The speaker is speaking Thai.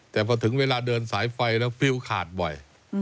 แต่พอถึงเวลาเดินสายไฟแล้วฟิ้วขาดบ่อย